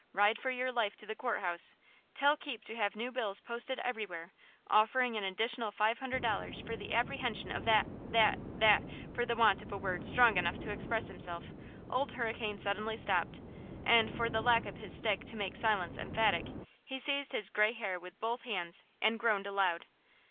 Ride for your life to the Court House! Tell Keepe to have new bills posted everywhere, offering an additional five hundred dollars for the apprehension of that–that–that"–for the want of a word strong enough to express himself, Old Hurricane suddenly stopped, and for the lack of his stick to make silence emphatic, he seized his gray hair with both hands and groaned aloud!